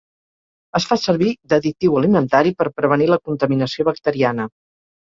Es fa servir d'additiu alimentari per prevenir la contaminació bacteriana.